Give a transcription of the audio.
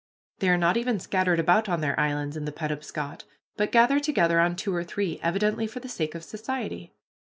They are not even scattered about on their islands in the Penobscot, but gathered together on two or three, evidently for the sake of society.